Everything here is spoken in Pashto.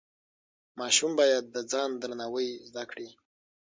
ماشوم باید د ځان درناوی زده کړي.